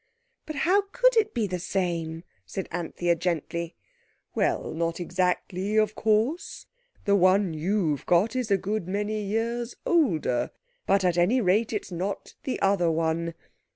"But how could it be the same?" said Anthea gently. "Well, not exactly, of course. The one you've got is a good many years older, but at any rate it's not the other one.